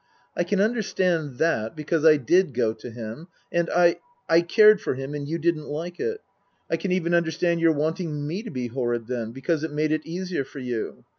"I can understand that, because I did go to him, and I I cared for him and you didn't like it. I can even understand your wanting me to be horrid then, because it made it easier for you.